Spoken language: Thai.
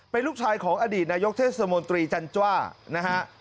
เป็นลูกชายของอดีตนายกเทศมนตรีจันจ้านะฮะ